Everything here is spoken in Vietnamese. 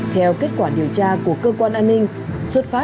theo kết quả điều tra của cơ quan an ninh